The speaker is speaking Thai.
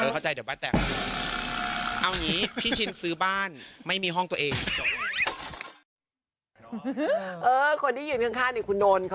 คนที่ยืนข้างคุณนลเขาสนิทกันเลยค่ะ